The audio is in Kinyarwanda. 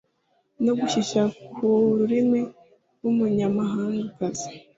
No gushyeshya ku ururimi rwumunyamahangakazi